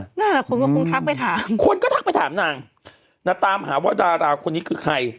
หลายคนก็คงทักไปถามคนก็ทักไปถามนางนะตามหาว่าดาราคนนี้คือใคร